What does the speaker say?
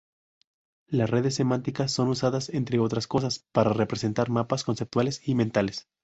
Las redes semánticas son usadas, entre otras cosas, para representar mapas conceptuales y mentales.